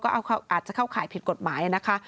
ก็อาจจะเข้าข่ายผิดกฎหมายนะคะ